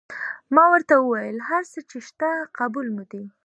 ما ورته وویل: هر څه چې شته قبول مو دي.